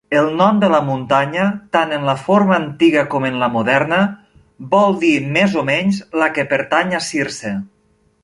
El nom de la muntanya, tant en la forma antiga com en la moderna, vol dir més o menys "la que pertany a Circe".